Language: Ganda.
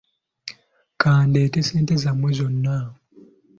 Ka ndeete ssente zammwe zonna.